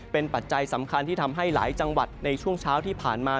เป็นปัจจัยสำคัญที่ทำให้หลายจังหวัดในช่วงเช้าที่ผ่านมา